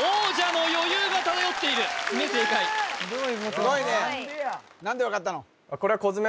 王者の余裕が漂っている爪正解すごいね何で分かったの？